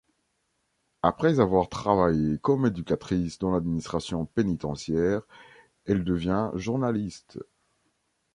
Après avoir travaillé comme éducatrice dans l'administration pénitentiaire, elle devient journaliste.